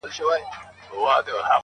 ما در وبخښل لس كاله نعمتونه-